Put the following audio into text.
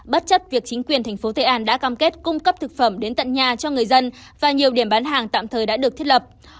bất chấp việc chính quyền thành phố tây an đã cam kết cung cấp thực phẩm đến tận nhà cho người dân và nhiều điểm bán hàng tạm thời đã được thiết lập